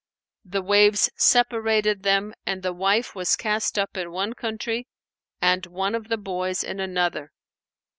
The waves separated them and the wife was cast up in one country and one of the boys in another.